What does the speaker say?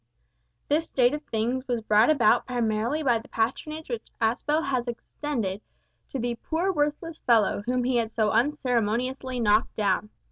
This state of things was brought about primarily by the patronage which Aspel had extended to the "poor worthless fellow" whom he had so unceremoniously knocked down.